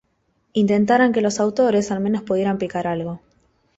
intentaran que los autores al menos pudieran picar algo